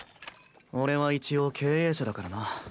俺は一応経営者だからな。